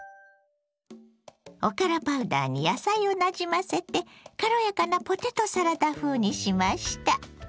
おからパウダーに野菜をなじませて軽やかなポテトサラダ風にしました。